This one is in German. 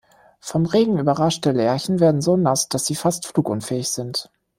Vom Regen überraschte Lerchen werden so nass, dass sie fast flugunfähig sind.